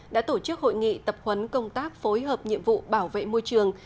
đã tổ chức hội nghị tập huấn công tác phối hợp nhiệm vụ bảo vệ môi trường